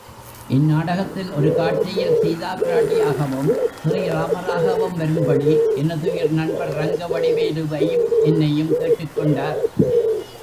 இந்நாடகத்தில் ஒரு காட்சியில் சீதாப் பிராட்டியாகவும், ஸ்ரீராமராகவும் வரும்படி, எனதுயிர் நண்பர் ரங்கவடிவேலுவையும் என்னையும் கேட்டுக் கொண்டார்.